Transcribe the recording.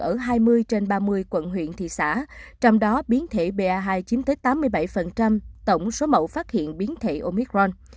ở hai mươi trên ba mươi quận huyện thị xã trong đó biến thể ba hai chiếm tới tám mươi bảy tổng số mẫu phát hiện biến thể omicron